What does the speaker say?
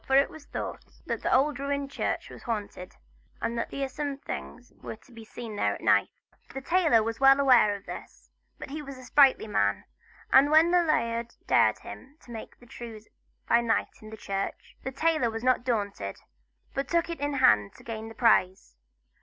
For it was thought that the old ruined church was haunted, and that fearsome things were to be seen there at night. The tailor was well aware of this; but he was a sprightly man, and when the laird dared him to make the trews by night in the church, the tailor was not to be daunted, but took it in hand to gain the prize.